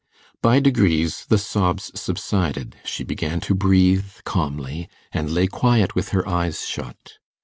By degrees the sobs subsided, she began to breathe calmly, and lay quiet with her eyes shut.